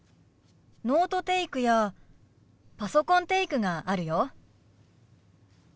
ノートテイクやパソコンテイクがあるよ。